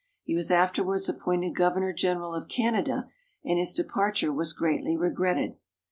He was afterwards appointed governor general of Canada, and his departure was greatly regretted.